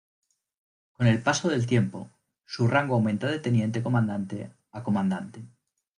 Con el paso del tiempo, su rango aumenta de Teniente Comandante a Comandante.